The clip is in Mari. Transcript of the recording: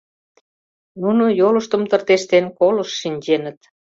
Нуно, йолыштым тыртештен, колышт шинченыт.